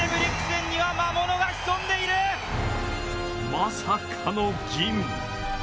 まさかの銀。